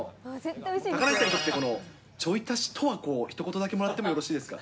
高梨さんにとって、ちょい足しとは、ひと言だけもらってもいいですか？